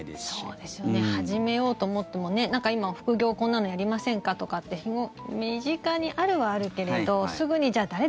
そうですよね始めようと思ってもなんか今、副業こんなのやりませんか？とかって身近にあるはあるけれどすぐにじゃあ